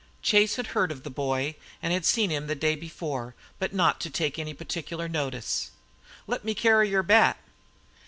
Chase had heard of the boy, and had seen him on the day before but not to take any particular notice. "Let me carry yer bat."